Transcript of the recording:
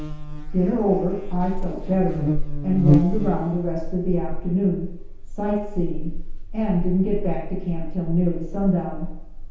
Dinner over, I felt better, and roamed around the rest of the afternoon, sight seeing, and didn't get back to camp till nearly sundown.